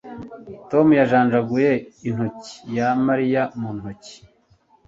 Tom yajanjaguye inoti ya Mariya mu ntoki